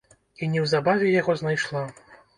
І неўзабаве яго знайшла.